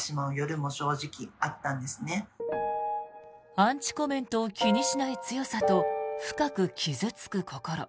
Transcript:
アンチコメントを気にしない強さと深く傷付く心。